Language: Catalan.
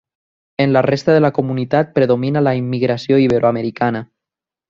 En la resta de la comunitat predomina la immigració iberoamericana.